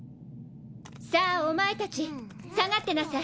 さあお前たち下がってなさい。